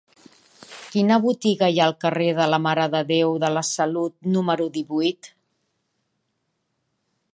Quina botiga hi ha al carrer de la Mare de Déu de la Salut número divuit?